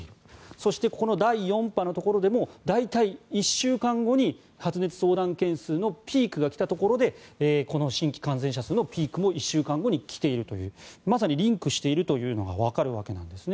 そしてここの第４波のところでも大体１週間後に発熱相談件数のピークが来たところで新規感染者数のピークも１週間後に来ているリンクしていることがわかるわけですね。